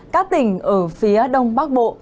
các tỉnh ở phía đông bắc bộ